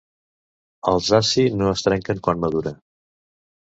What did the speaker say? Els asci no es trenquen quan madura.